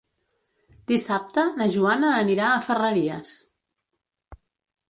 Dissabte na Joana anirà a Ferreries.